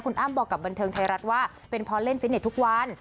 อ้ำบอกกับบันเทิงไทยรัฐว่าเป็นเพราะเล่นฟิตเน็ตทุกวัน